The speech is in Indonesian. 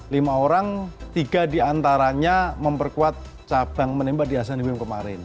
lima orang tiga diantaranya memperkuat cabang menembak di asean games kemarin